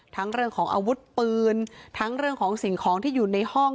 เรื่องของอาวุธปืนทั้งเรื่องของสิ่งของที่อยู่ในห้อง